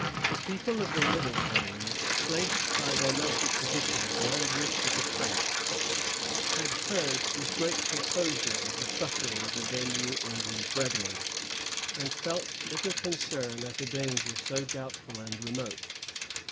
The people of the middle colonies, placed by their local position beyond reach of the French, had heard with great composure of the sufferings of their New England brethren, and felt little concern at a danger so doubtful and remote.